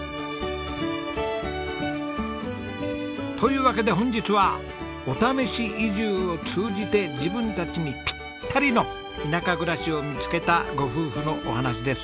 というわけで本日はお試し移住を通じて自分たちにピッタリの田舎暮らしを見つけたご夫婦のお話です。